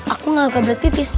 aku nggak belet pipis